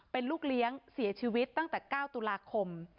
เป็นลูกเลี้ยงเสียชีวิตตั้งแต่๙ตุลาคม